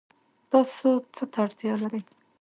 تاسو څه ته اړتیا لرئ؟